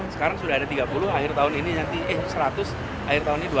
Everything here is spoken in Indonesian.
sekarang sudah ada tiga puluh akhir tahun ini seratus akhir tahun ini dua ratus